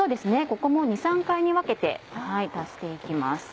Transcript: ここも２３回に分けて足して行きます。